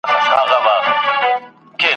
هم ډنګر وو هم له رنګه لکه سکور وو,